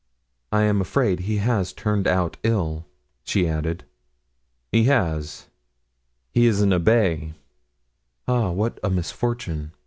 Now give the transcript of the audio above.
I am afraid he has turned out ill," she added. "He has; he is an abbé." "Ah, what a misfortune!"